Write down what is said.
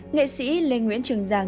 nghệ sĩ lê nguyễn triền giang